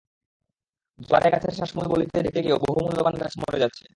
জোয়ারে গাছের শ্বাসমূল বালিতে ঢেকে গিয়েও বহু মূল্যবান গাছ মরে যাচ্ছে।